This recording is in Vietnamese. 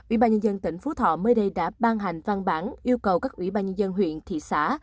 ubnd tỉnh phú thọ mới đây đã ban hành văn bản yêu cầu các ubnd huyện thị xã